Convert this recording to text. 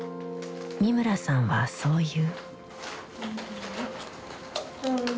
三村さんはそう言う。